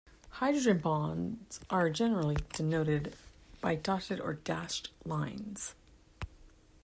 Hydrogen bonds are generally denoted by dotted or dashed lines.